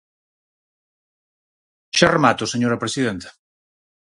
Xa remato, señora presidenta.